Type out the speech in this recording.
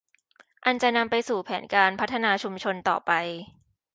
อันจะนำไปสู่แผนการพัฒนาชุมชนต่อไป